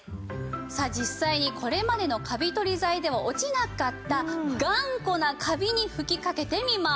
さあ実際にこれまでのカビ取り剤では落ちなかった頑固なカビに吹きかけてみます。